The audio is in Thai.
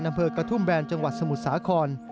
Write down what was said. อำเภอกระทุ่มแบนจังหวัดสมุทรสาคร